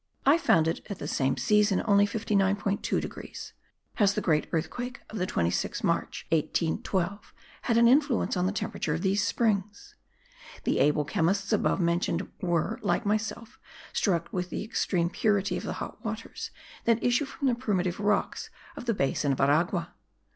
I found it at the same season only 59.2 degrees. Has the great earthquake of the 26th March, 1812, had an influence on the temperature of these springs? The able chemists above mentioned were, like myself, struck with the extreme purity of the hot waters that issue from the primitive rocks of the basin of Aragua.